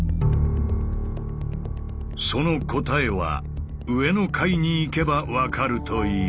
その答えは上の階に行けば分かるという。